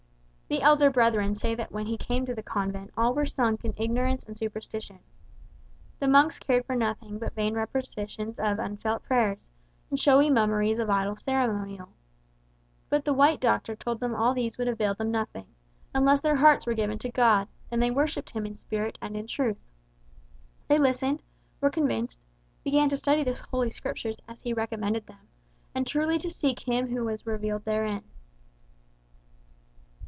The elder brethren say that when he came to the convent all were sunk in ignorance and superstition. The monks cared for nothing but vain repetitions of unfelt prayers, and showy mummeries of idle ceremonial But the white doctor told them all these would avail them nothing, unless their hearts were given to God, and they worshipped him in spirit and in truth. They listened, were convinced, began to study the Holy Scriptures as he recommended them, and truly to seek Him who is revealed therein."